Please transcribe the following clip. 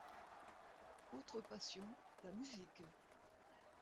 Autre passion, la musique.